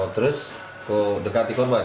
terus kau dekati korban